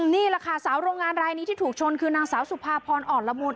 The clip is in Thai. นี่แหละค่ะสาวโรงงานรายนี้ที่ถูกชนคือนางสาวสุภาพรอ่อนละมุน